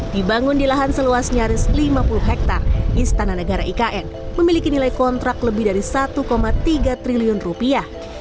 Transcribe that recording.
dibangun di lahan seluas nyaris lima puluh hektare istana negara ikn memiliki nilai kontrak lebih dari satu tiga triliun rupiah